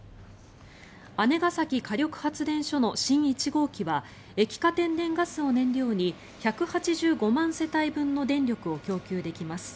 姉崎火力発電所の新１号機は液化天然ガスを燃料に１８５万世帯分の電力を供給できます。